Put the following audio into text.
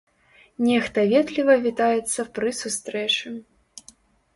Нехта ветліва вітаецца пры сустрэчы.